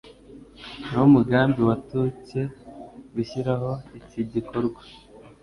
Ni wo mugambi wamutcye gushyiraho iki gikorwa,